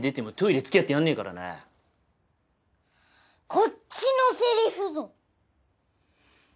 こっちのセリフぞ！